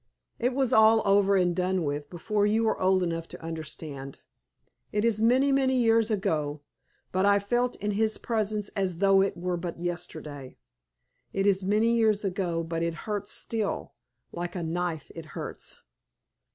It was all over and done with before you were old enough to understand. It is many, many years ago, but I felt in his presence as though it were but yesterday. It is many years ago but it hurts still like a knife it hurts."